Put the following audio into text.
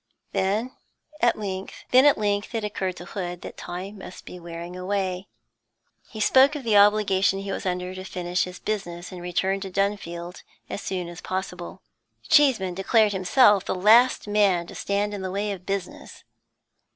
Then at length it occurred to Hood that time must be wearing away; he spoke of the obligation he was under to finish his business and return to Dunfield as soon as possible. Cheeseman declared himself the last man to stand in the way of business.